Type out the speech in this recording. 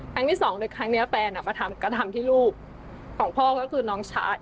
ครั้งที่สองครั้งนี้แฟนมาทำก็ทำที่ลูกของพ่อก็คือน้องชาย